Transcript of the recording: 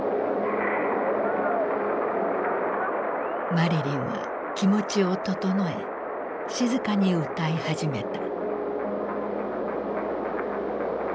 マリリンは気持ちを整え静かに歌い始めた。